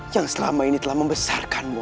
yang selama ini telah membesarkanmu